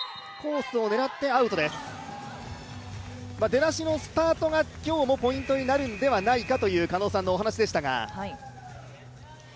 出だしのスタートが今日もポイントになるんではないかという狩野さんのお話でしたが。